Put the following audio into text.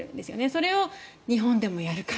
それを日本でもやるか。